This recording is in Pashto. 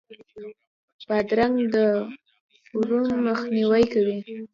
بادرنګ د ورم مخنیوی کوي.